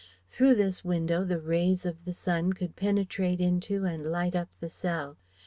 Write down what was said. Through this window the rays of the sun could penetrate into and light up the cell.